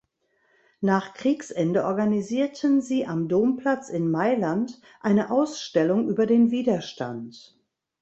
Nach Kriegsende organisierten sie am Domplatz in Mailand eine Ausstellung über den Widerstand.